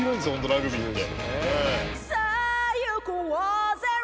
ラグビーって。